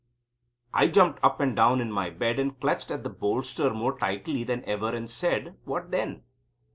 I jumped up and down in my bed and clutched at the bolster more tightly than ever and said: "What then?"